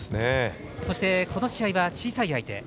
そして、この試合は小さい相手。